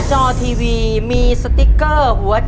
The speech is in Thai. ขอบคุณค่ะ